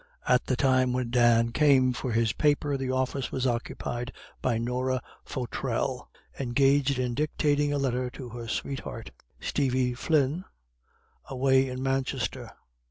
At the time when Dan came for his paper the office was occupied by Norah Fottrell, engaged in dictating a letter to her sweetheart, Stevie Flynn, away in Manchester.